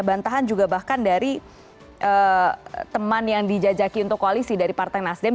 bantahan juga bahkan dari teman yang dijajaki untuk koalisi dari partai nasdem